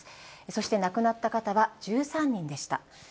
そして亡くなった方は１３人でした。